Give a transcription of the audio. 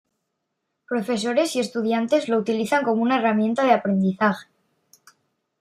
Profesores y estudiantes lo utilizan como una herramienta de aprendizaje.